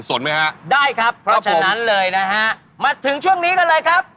ไหมฮะได้ครับเพราะฉะนั้นเลยนะฮะมาถึงช่วงนี้กันเลยครับ